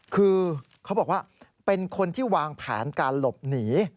คือเขาบอกว่าเป็นคนที่วางแผนการหลบหนี